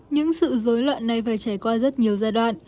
những sự dối loạn này phải trải qua rất nhiều giai đoạn